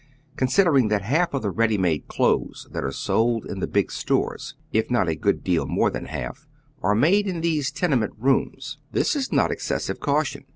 Considering that half of the ready made clotiies that are sold in the big stores, if not a good deal more than half, are made in these tenement rooms, this ia not excessive caution.